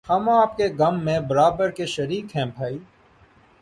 ہم آپ کے غم میں برابر کے شریک ہیں بھائی